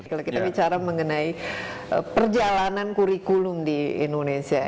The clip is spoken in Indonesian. kalau kita bicara mengenai perjalanan kurikulum di indonesia